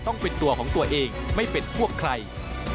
ต้องเป็นตัวของตัวเองไม่เป็นพวกใคร